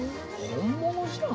本物じゃん！